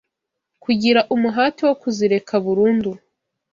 kugira umuhati wo kuzireka burundu